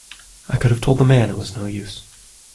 I could have told the man it was no use.